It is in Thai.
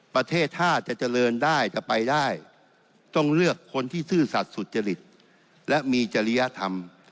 ประเทศท่าจะเจริญได้จะไปได้ต้องเลือกคนที่ซื่อสัตว์สุจริตและมีจริยธรรม